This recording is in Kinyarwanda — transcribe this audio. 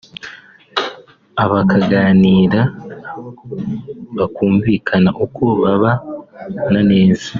abakaganira bakumvikana uko babana neza